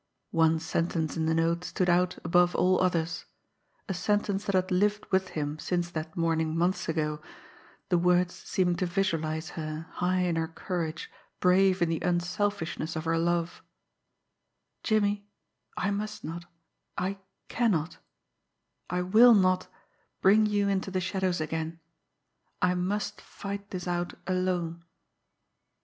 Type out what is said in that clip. One sentence in the note stood out above all others, a sentence that had lived with him since that morning months ago, the words seeming to visualise her, high in her courage, brave in the unselfishness of her love: "Jimmie, I must not, I cannot, I will not bring you into the shadows again; I must fight this out alone."